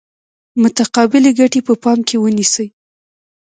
متقابلې ګټې به په پام کې ونیسي.